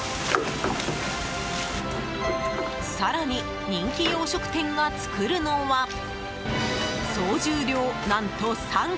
更に人気洋食店が作るのは総重量、何と３ｋｇ！